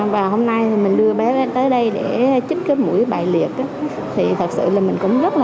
và hôm nay mình đưa bé tới đây để chích cái mũi bại liệt thì thật sự là mình cũng rất là lạ